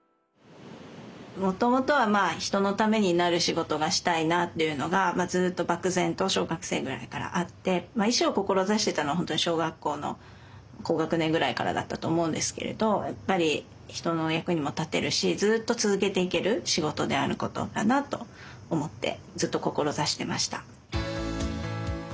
もともとは人のためになる仕事がしたいなっていうのがずっと漠然と小学生ぐらいからあって医師を志してたのは小学校の高学年ぐらいからだったと思うんですけれどやっぱり人の役にも立てるしずっと続けていける仕事であることだなと思ってずっと志してました。